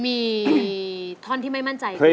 มีท่อนที่ไม่มั่นใจใช่ไหม